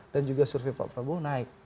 dan juga survei pak prabowo naik